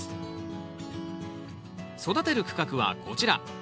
育てる区画はこちら。